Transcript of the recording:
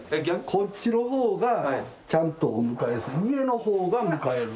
こっちの方がちゃんとお迎えする家の方が迎える。